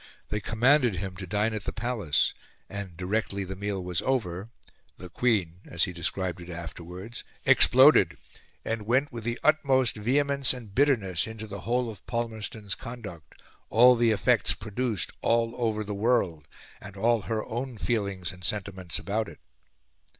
They commanded him to dine at the Palace, and, directly the meal was over, "the Queen," as he described it afterwards, "exploded, and went with the utmost vehemence and bitterness into the whole of Palmerston's conduct, all the effects produced all over the world, and all her own feelings and sentiments about it."